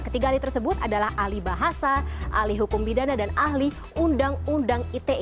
ketiga ahli tersebut adalah ahli bahasa ahli hukum pidana dan ahli undang undang ite